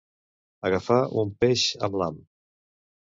Agafar un peix amb l'ham.